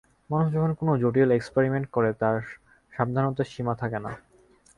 মানুষ যখন কোনো জটিল এক্সপেরিমেন্ট করে, তার সাবধানতার সীমা থাকে না।